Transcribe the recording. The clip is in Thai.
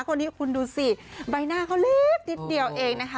คนนี้คุณดูสิใบหน้าเขาเล็กนิดเดียวเองนะคะ